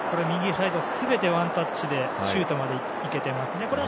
右サイド全てワンタッチでシュートまでいけていますね。